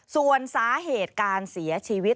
ส่วนสาเหตุการเสียชีวิต